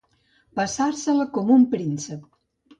Passar-se-la com un príncep.